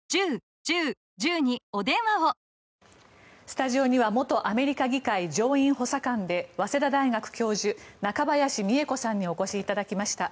スタジオには元アメリカ議会上院補佐官で早稲田大学教授中林美恵子さんにお越しいただきました。